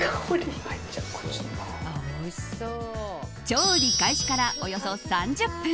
調理開始から、およそ３０分。